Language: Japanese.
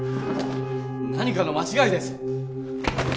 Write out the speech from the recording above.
何かの間違いです！